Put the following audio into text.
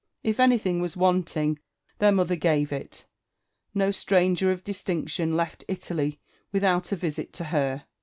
If anything was wanting, their mother gave it. ISTo stranger of distinction left Italy without a visit to her.